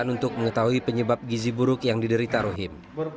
untuk mengetahui penyebab gizi buruk yang diderita rohim